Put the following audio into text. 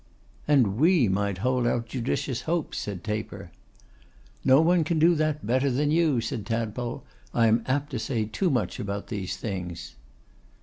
'And we might hold out judicious hopes,' said Taper. 'No one can do that better than you,' said Tadpole. 'I am apt to say too much about those things.